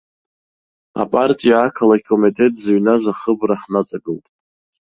Апартиа ақалақь комитет зыҩназ ахыбра ҳнаҵагылт.